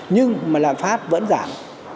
nhưng mà lạm phát vẫn giảm